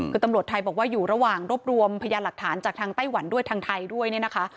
คือตำรวจไทยบอกว่าอยู่ระหว่างรวบรวมพยานหลักฐานจากทางไต้หวันด้วยทางไทยด้วยเนี่ยนะคะ